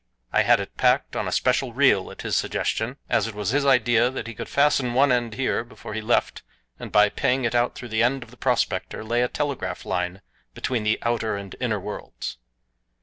I had it packed on a special reel at his suggestion, as it was his idea that he could fasten one end here before he left and by paying it out through the end of the prospector lay a telegraph line between the outer and inner worlds.